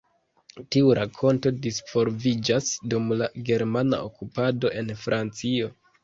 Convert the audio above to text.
Tiu rakonto disvolviĝas dum la germana okupado en Francio.